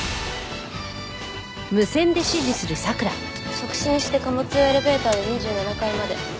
直進して貨物エレベーターで２７階まで。